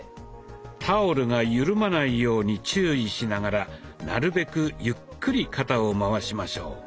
タオルが緩まないように注意しながらなるべくゆっくり肩を回しましょう。